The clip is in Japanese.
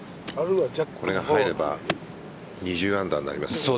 これが入れば２０アンダーになります。